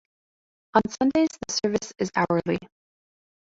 On Sundays the service is hourly.